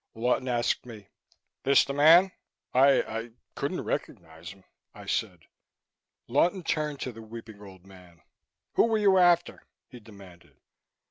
Lawton asked me: "This the man?" "I I couldn't recognize him," I said. Lawton turned to the weeping old man. "Who were you after?" he demanded.